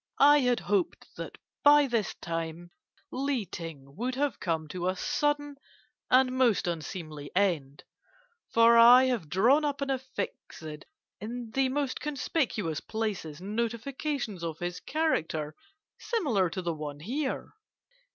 I had hoped that by this time Li Ting would have come to a sudden and most unseemly end; for I have drawn up and affixed in the most conspicuous places notifications of his character, similar to the one here.